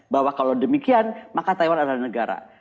bahwa kalau demikian maka taiwan adalah negara